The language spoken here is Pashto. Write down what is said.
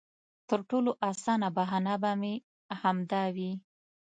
تر ټولو اسانه بهانه به مې همدا وي.